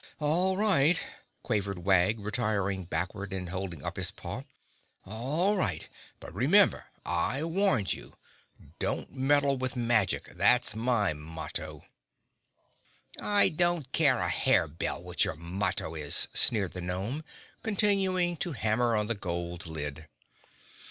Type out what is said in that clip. "All right," quavered Wag, retiring backward and holding up his paw. "All right, but remember I warned you! Don't meddle with magic, that's my motto!" "I don't care a harebell what your motto is," sneered the gnome, continuing to hammer on the gold lid.